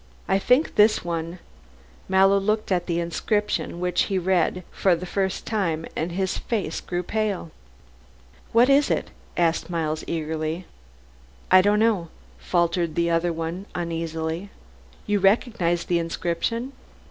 I think this one " Mallow looked at the inscription which he read for the first time, and his face grew pale. "What is it?" asked Miles eagerly. "I don't know," faltered the other uneasily. "You recognize the inscription?"